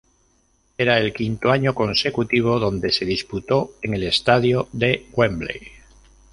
Era el quinto año consecutivo donde se disputó en el Estadio de Wembley.